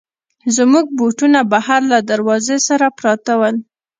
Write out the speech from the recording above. زموږ بوټونه بهر له دروازې سره پراته ول.